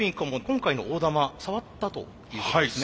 今回の大玉触ったということですね。